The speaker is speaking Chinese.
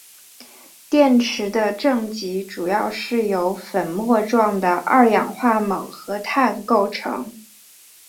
电池的正极主要是由粉末状的二氧化锰和碳构成。